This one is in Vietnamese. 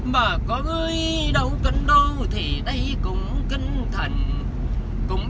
bà con ơi đâu cần đâu thì đây cũng kinh thần